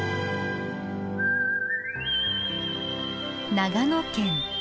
長野県。